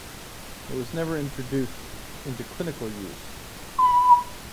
It was never introduced into clinical use.